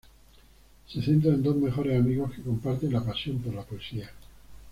Se centra en dos mejores amigos que comparten la pasión por la poesía.